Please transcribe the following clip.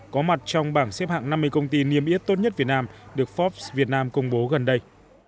có mặt trong bảng xếp hạng năm mươi công ty niêm yết tốt nhất việt nam được forbes việt nam công bố gần đây